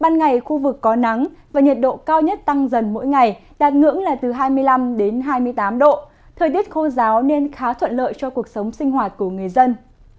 nơi điết khô giáo nên khá thuận lợi cho cuộc sống sinh hoạt của người dân